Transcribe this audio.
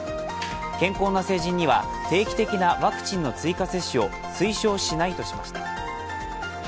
健康な成人には、定期的なワクチンの追加接種を推奨しないとしました。